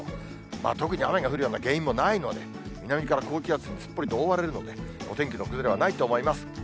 特に雨が降るような原因もないので、南から高気圧にすっぽりと覆われるので、お天気の崩れはないと思います。